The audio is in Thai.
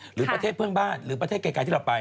หรือประเทศเพื่อนบ้านหรือประเทศไกลที่เราไป